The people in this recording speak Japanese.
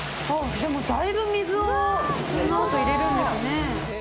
でもだいぶ水をこのあと入れるんですね。